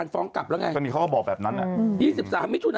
ฟ้องกลับระไง